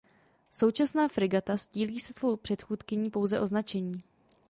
Současná fregata sdílí se svou předchůdkyní pouze označení.